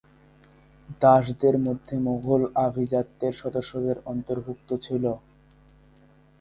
দাসদের মধ্যে মোগল আভিজাত্যের সদস্যদের অন্তর্ভুক্ত ছিল।